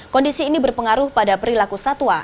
kondisi ini berpengaruh pada perilaku satwa